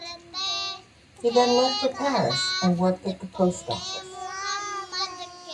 He then left for Paris and worked at the Post Office.